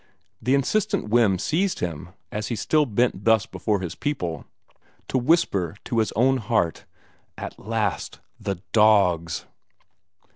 The insistent whim seized him, as he still bent thus before his people, to whisper to his own heart, "At last! The dogs!"